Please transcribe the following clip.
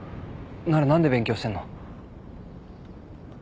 なら何で勉強してんの？